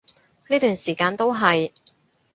呢段時間都係